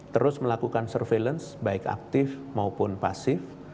terus melakukan surveillance baik aktif maupun pasif